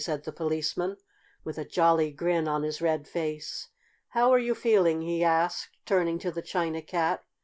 said the Policeman, with a jolly grin on his red face. "How are you feeling?" he asked, turning to the China Cat.